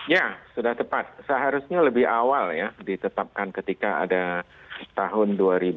ya sudah tepat seharusnya lebih awal ya ditetapkan ketika ada tahun dua ribu delapan belas dua ribu tujuh belas